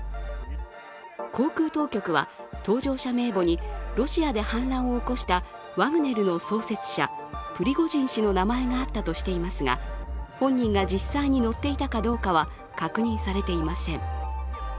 航空当局は搭乗者名簿にロシアで反乱を起こしたワグネルの創設者、プリゴジン氏の名前があったとしていますが、本人が実際に乗っていたかどうかは確認されていません。